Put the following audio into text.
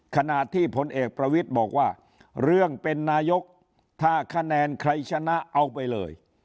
ขณะที่ผลเอกประวิทย์บอกว่าเรื่องเป็นนายกถ้าคะแนนใครชนะเอาไปเลย